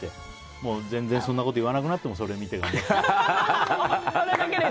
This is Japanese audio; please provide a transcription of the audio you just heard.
もう全然そんなこと言わなくなってもそれを見て頑張ってると。